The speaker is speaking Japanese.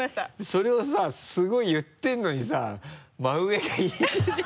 それをさすごい言ってるのにさ真上がいい